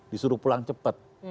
disuruh pulang cepat